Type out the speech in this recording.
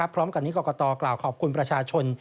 พร้อมกันนี้กรกตกล่าวขอบคุณประชาชน